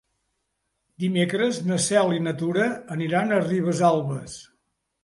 Dimecres na Cel i na Tura aniran a Ribesalbes.